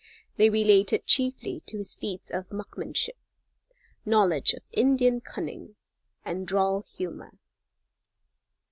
They related chiefly to his feats of markmanship, knowledge of Indian cunning, and droll humor.